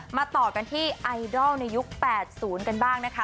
ต่อกันที่ไอดอลในยุค๘๐กันบ้างนะคะ